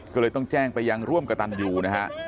ก็เลยต้องแจ้งไปยังร่วมกระตันอยู่นะฮะ